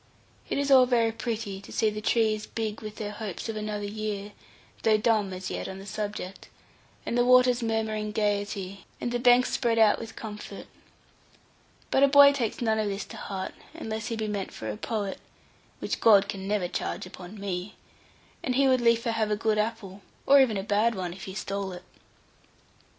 It is all very pretty to see the trees big with their hopes of another year, though dumb as yet on the subject, and the waters murmuring gaiety, and the banks spread out with comfort; but a boy takes none of this to heart; unless he be meant for a poet (which God can never charge upon me), and he would liefer have a good apple, or even a bad one, if he stole it.